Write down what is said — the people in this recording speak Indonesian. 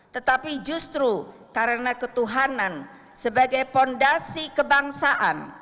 tetapi justru karena ketuhanan sebagai fondasi kebangsaan